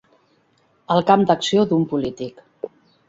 El camp d'acció d'un polític.